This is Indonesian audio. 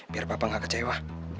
biar papa gak kecewa